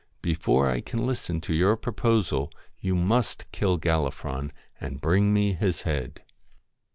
Before I can listen to your pro posal, you must kill Gallifron and bring me his head.